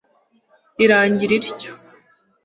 irangira ityo